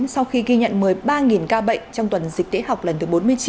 sau khi ghi nhận một mươi ba ca bệnh trong tuần dịch tễ học lần thứ bốn mươi chín